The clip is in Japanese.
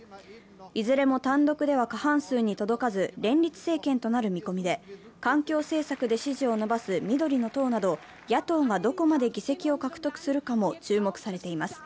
いずれも単独では過半数に届かず連立政権となる見込みで環境政策で支持を伸ばす緑の党など野党がどこまで議席を獲得するかも注目されています。